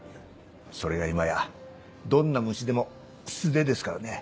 それが今やどんな虫でも素手ですからね。